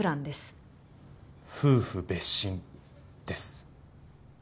夫婦別寝です。